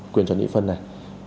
quyền chọn nghị phân này